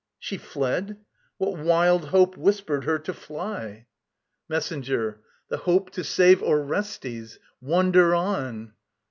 She fled? What wild hope whispered her to fly? MESSENGER. The hope to save Orestes. Wonder on!